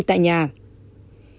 tại nhà f một